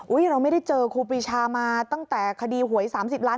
เราไม่ได้เจอครูปีชามาตั้งแต่คดีหวย๓๐ล้าน